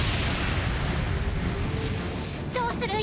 どうする！？